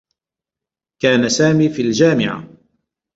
كان سامي في الجامعة.